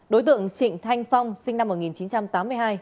đối tượng trịnh thanh phong sinh năm một nghìn chín trăm tám mươi hai